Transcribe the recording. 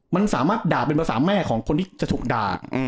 มันสามารถด่าเป็นภาษาแม่ของคนที่จะถูกด่า